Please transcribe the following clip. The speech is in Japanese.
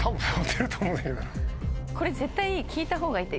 これ絶対聞いたほうがいいって。